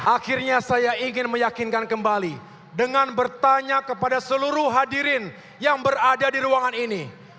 akhirnya saya ingin meyakinkan kembali dengan bertanya kepada seluruh hadirin yang berada di ruangan ini